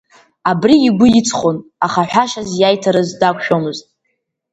Абри игәы иҵхон, аха ҳәашьас иаиҭарыз дақәшәомызт.